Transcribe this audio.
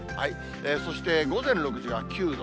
そして午前６時は９度。